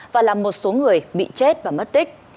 và làm một số người bị chết và mất tích